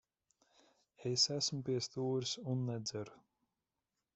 Es esmu pie stūres un nedzeru.